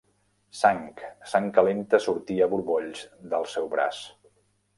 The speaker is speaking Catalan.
Sang, sang calenta sortia a borbolls del seu braç.